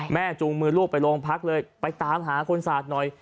จูงมือลูกไปโรงพักเลยไปตามหาคุณศาสตร์หน่อย